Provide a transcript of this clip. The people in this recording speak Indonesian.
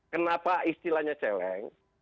kenapa istilahnya celeng